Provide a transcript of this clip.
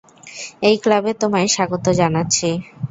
এই ক্লাবে তোমায় স্বাগত জানাচ্ছি!